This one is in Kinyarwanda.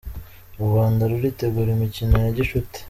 U Rwanda ruritegura imikino ya gicuti